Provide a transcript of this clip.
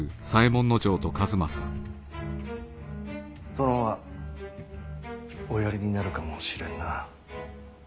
殿はおやりになるかもしれんな。